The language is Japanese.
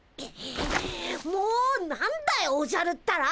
もう何だよおじゃるったら！